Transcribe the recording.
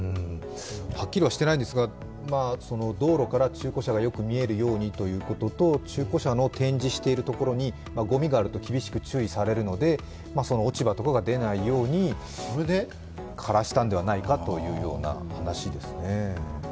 はっきりはしてないんですが道路から中古車がよく見えるようにということと中古車の展示しているところにごみがあると厳しく注意されるのでその落ち葉とかが出ないように枯らしたのではないかというような話ですね。